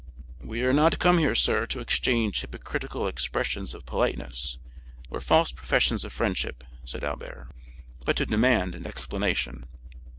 "We are not come here, sir, to exchange hypocritical expressions of politeness, or false professions of friendship," said Albert, "but to demand an explanation."